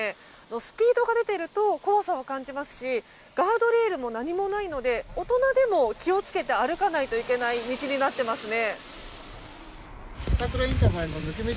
スピードが出ていると怖さを感じますしガードレールも何もないので大人でも気をつけて歩かないといけない道になっていますね。